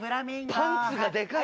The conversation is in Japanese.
パンツがでかい。